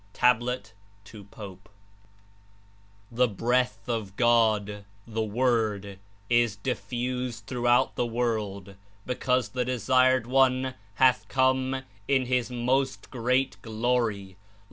" (Tab. to Pope) "The breath of God (The Word) is diffused throughout the world, because the Desired One hath come in His Most Great Glory.